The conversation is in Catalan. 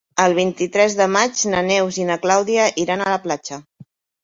El vint-i-tres de maig na Neus i na Clàudia iran a la platja.